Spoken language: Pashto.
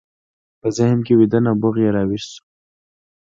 په ذهن کې ویده نبوغ یې راویښ شو